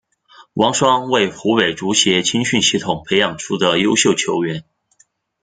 王霜为湖北足协青训系统培养出来的优秀球员。